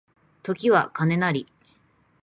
時は金なり